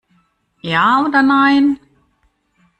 Ja oder nein?